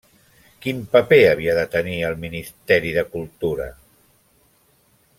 Quin paper havia de tenir el Ministeri de Cultura?